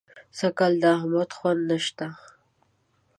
سږکال د احمد خونده نه شته.